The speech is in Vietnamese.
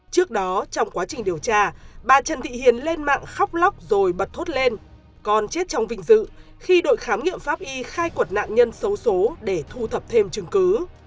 trước đó trong quá trình điều tra bà trần thị hiền lên mạng khóc lóc rồi bật thốt lên con chết trong vinh dự khi đội khám nghiệm pháp y khai quật nạn nhân xấu xố để thu thập thêm chứng cứ